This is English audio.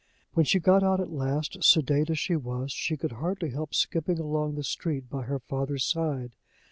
When she got out at last, sedate as she was, she could hardly help skipping along the street by her father's side.